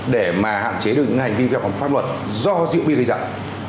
để mà hạn chế được những hành vi vi phạm pháp luật do rượu bia gây ra